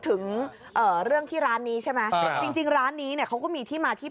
ถึงเรื่องที่ร้านนี้ใช่มั้ยจริงร้านนี้ข้องก็มีที่มาที่